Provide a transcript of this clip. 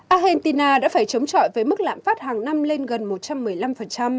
argentina đã phải chống chọi với mức lạm phát hàng năm lên gần một trăm một mươi năm